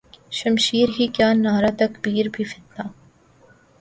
شمشیر ہی کیا نعرہ تکبیر بھی فتنہ